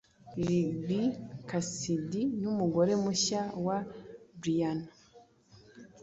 Libby Cassidy numugore mushya wa Briana,